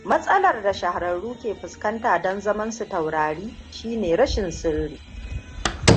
Matsalar da shahararru ke fuskanta don zaman su taurari shine rashin sirri.